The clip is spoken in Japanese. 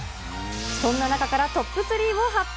そんな中からトップ３を発表。